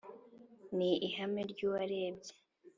ni ihame ry’uwarebye